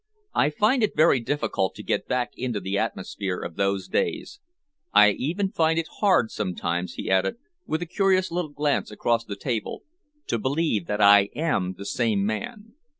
"I find it very difficult to get back into the atmosphere of those days. I even find it hard sometimes," he added, with a curious little glance across the table, "to believe that I am the same man."